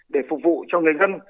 để phục vụ cho người dân